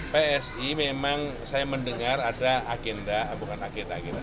psi memang saya mendengar ada agenda bukan agenda agenda